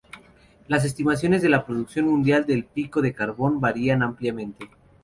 Las estimaciones de la producción mundial del pico de carbón varían ampliamente.